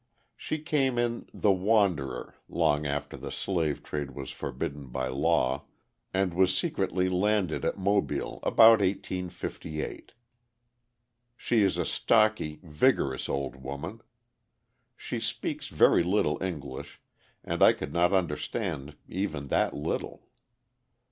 She came in the Wanderer, long after the slave trade was forbidden by law, and was secretly landed at Mobile about 1858. She is a stocky, vigorous old woman. She speaks very little English, and I could not understand even that little.